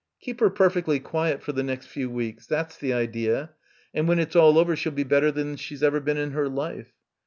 "Keep her perfectly quiet for the next few weeks, that's the idea, and when it's all over she'll be better than she's ever been in her life."